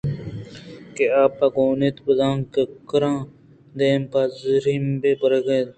کہ آپ ءَ گون اَت ءُ زبرّان ءُ ککّران دیم پہ ژیمب ءَ برگ ءَ اِتے